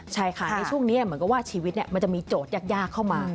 ใช่ค่ะในช่วงนี้เหมือนกับว่าชีวิตมันจะมีโจทย์ยากเข้ามา